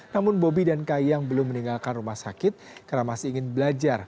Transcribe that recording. namun bobi dan kayang belum meninggalkan rumah sakit karena masih ingin belajar